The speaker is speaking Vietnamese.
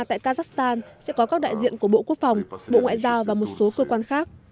tại kazakhstan sẽ có các đại diện của bộ quốc phòng bộ ngoại giao và một số cơ quan khác